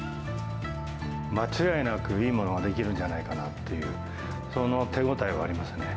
間違いなくいいものが出来るんじゃないかなっていう、その手応えはありますね。